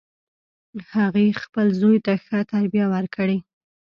هغې خپل زوی ته ښه تربیه ورکړي